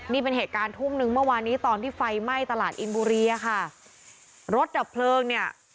นี่เป็นเหตุการณ์ทุ่มนึงเมื่อวานนี้ตอนที่ไฟไหม้ตลาดอินบุรีอ่ะค่ะรถดับเพลิงเนี่ย